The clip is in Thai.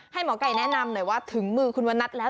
หมอไก่แนะนำหน่อยว่าถึงมือคุณวันนัทแล้ว